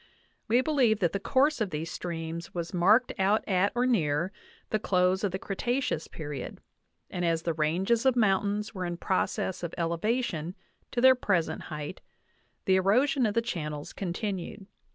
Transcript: We believe that the course of these streams was marked out at or near the close of the Cretaceous period, and as the ranges of mountains were in process of elevation to their pres ent height the erosion of the channels continued.